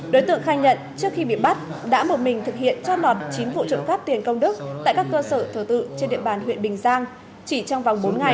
đối tượng khai nhận trước khi bị bắt đã một mình thực hiện trót lọt chín vụ trộm cắp tiền công đức tại các cơ sở thờ tự trên địa bàn huyện bình giang chỉ trong vòng bốn ngày